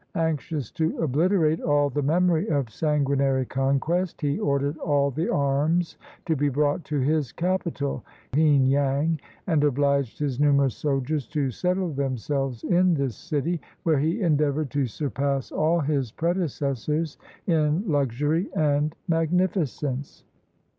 Anxious to obliterate all the memory of sanguinary conquest, he ordered all the arms to be brought to his capital, Heen yang, and obliged his numerous soldiers to settle them selves in this city, where he endeavored to surpass all his predecessors in luxury and magnificence.